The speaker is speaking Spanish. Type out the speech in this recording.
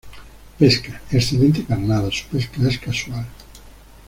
Pesca: excelente carnada, su pesca es casual.